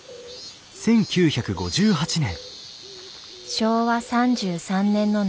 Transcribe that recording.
昭和３３年の夏